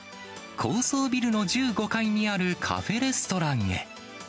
高層ビルの１５階にあるカフェレストランへ。